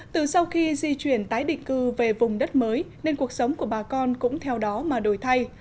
từ sau khi di chuyển tái định cư về vùng đất mới nên cuộc sống của bà con cũng theo đó mà đổi thay